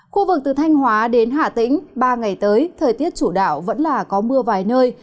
khu vực từ thanh hóa đến hạ tĩnh ba ngày tới thời tiết chủ đạo vẫn là có mưa vài nơi